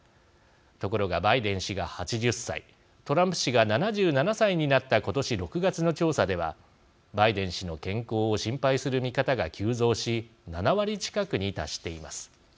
ところが、バイデン氏が８０歳トランプ氏が７７歳になった今年６月の調査ではバイデン氏の健康を心配する見方が急増し７割近くに達しています。